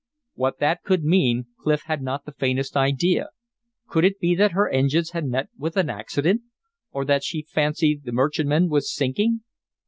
What that could mean Clif had not the faintest idea. Could it be that her engines had met with an accident? Or that she fancied the merchantman was sinking?